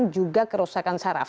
dan juga kerusakan saraf